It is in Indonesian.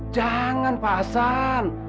jangan pak hasan